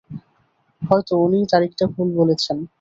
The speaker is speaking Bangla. হয়তো উনিই তারিখটা ভুল বলেছেন।